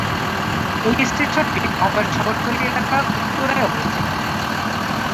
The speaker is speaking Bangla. এই স্টেশনটি ঢাকার শহরতলি এলাকা উত্তরায় অবস্থিত।